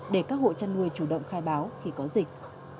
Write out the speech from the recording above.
để các hộ chăn nuôi chủ động khai báo khi có dịch